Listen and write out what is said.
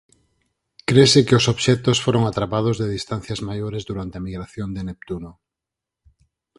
Crese que os obxectos foron atrapados de distancias maiores durante a migración de Neptuno.